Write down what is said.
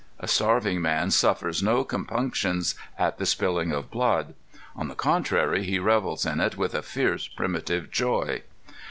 A starving man suffers no compunctions at the spilling of blood. On the contrary he revels in it with a fierce, primitive joy.